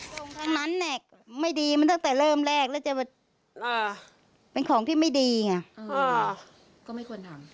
ตรงนั้นเนี่ยไม่ดีมันตั้งแต่เริ่มแรกแล้วจะเป็นของที่ไม่ดีไงก็ไม่ควรทำ